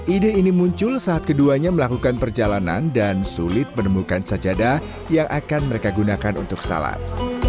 ide ini muncul saat keduanya melakukan perjalanan dan sulit menemukan sajadah yang akan mereka gunakan untuk salat